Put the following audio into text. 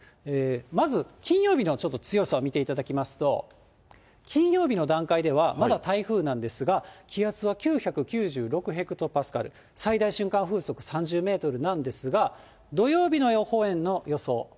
まず金曜日のちょっと強さを見ていただきますと、金曜日の段階では、まだ台風なんですが、気圧は９９６ヘクトパスカル、最大瞬間風速３０メートルなんですが、土曜日の予報円の予想。